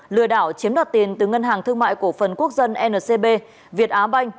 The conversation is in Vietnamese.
lừa đảo chiếm đoạt tiền từ ngân hàng thương mại cổ phần quốc dân ncb việt á banh